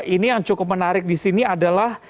ini yang cukup menarik di sini adalah